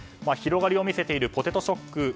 広がりを見せているポテトショック。